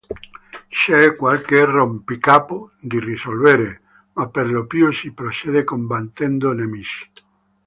C'è qualche rompicapo da risolvere, ma perlopiù si procede combattendo nemici.